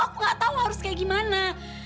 aku gak tau harus kayak gimana